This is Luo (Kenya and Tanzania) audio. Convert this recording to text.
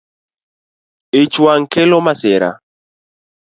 Ich wang’ kelo masira